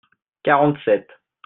quarante sept.